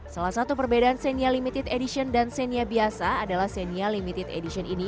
salah satu perbedaan xenia limited edition dan xenia biasa adalah xenia limited edition ini